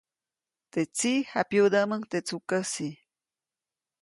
Teʼ tsiʼ japyudäʼmuŋ teʼ tsukäsi.